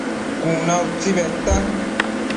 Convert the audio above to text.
Cuna utsi bedta